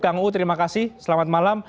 kang uu terima kasih selamat malam